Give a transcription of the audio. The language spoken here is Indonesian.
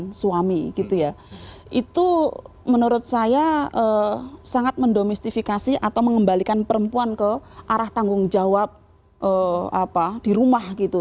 pasal dua puluh lima itu menurut saya sangat mendomestifikasi atau mengembalikan perempuan ke arah tanggung jawab di rumah gitu